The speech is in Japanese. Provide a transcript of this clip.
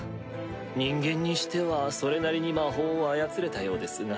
人間にしてはそれなりに魔法を操れたようですが。